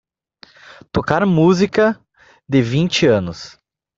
Tocar música de vinte anos